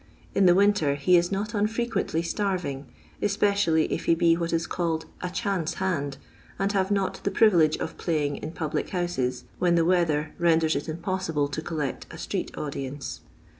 '* In the winter he is not unfrequently starving, especially if he be what is called "a chance hand," and have not the privilege of playing in public houses when the weather renders it impossible to collect a street audience.